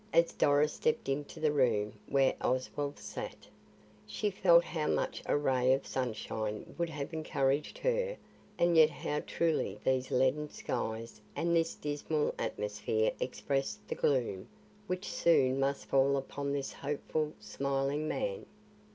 As Doris stepped into the room where Oswald sat, she felt how much a ray of sunshine would have encouraged her and yet how truly these leaden skies and this dismal atmosphere expressed the gloom which soon must fall upon this hopeful, smiling man.